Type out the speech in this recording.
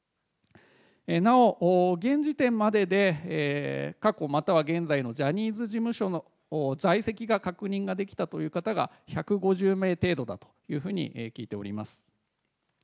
なお、現時点までで、過去または現在のジャニーズ事務所の在籍が確認ができたという方が１５０名程度だというふうに聞いております。